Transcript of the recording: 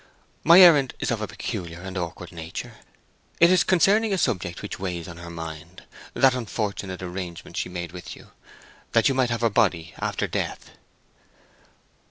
My errand is of a peculiar and awkward nature. It is concerning a subject which weighs on her mind—that unfortunate arrangement she made with you, that you might have her body—after death."